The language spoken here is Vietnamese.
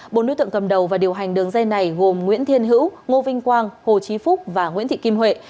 bốn đối tượng cầm đầu và điều hành đường dây này gồm nguyễn thiên hữu ngô vinh quang hồ chí phúc và nguyễn thị kim huệ